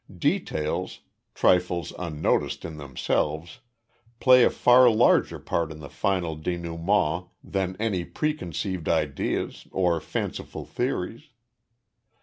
"Details trifles unnoticed in themselves play a far larger part in the final dénouement than any preconceived ideas or fanciful theories.